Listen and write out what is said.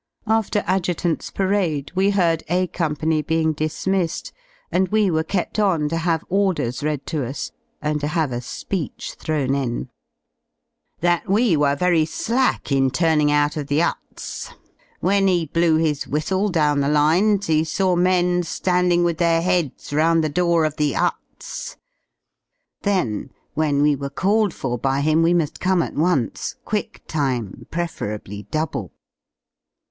After Adj.'s Parade we heard A Company being dismissed, and we were kept on to have ordei*s read to us and to have a speech thrown in: That we zvere very slack in turning out of the ^uts; when he blew his whilf/e down the lines he sazv men landing with their heads round the door of the *uts. Then, ivhen we were called for by him we muli come at once, quick time, preferably double.